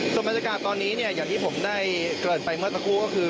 สมบัติการตอนนี้อย่างที่ผมได้เกิดไปเมื่อสักครู่คือ